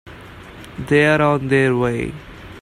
They're on their way.